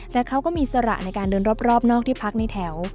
แต่เขาก็มีสระในการเดินรอบนอกที่พักในแถว